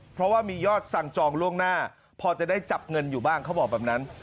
เพราะว่ามียอดสั่งจองล่วงหน้าพอจะได้จับเงินอยู่บ้างเขาบอกแบบนั้น